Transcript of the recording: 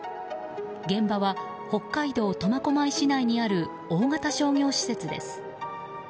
現場は北海道苫小牧市内にある大型商業施設です。